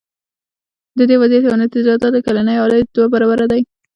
د دې وضعیت یوه نتیجه دا ده چې کلنی عاید دوه برابره دی.